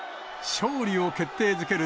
勝利を決定づける